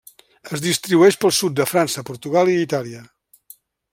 Es distribueix pel sud de França, Portugal i Itàlia.